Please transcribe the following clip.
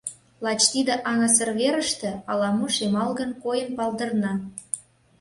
Лач тиде аҥысыр верыште ала-мо шемалгын койын палдырна.